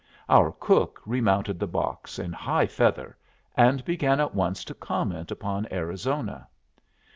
Our cook remounted the box in high feather, and began at once to comment upon Arizona.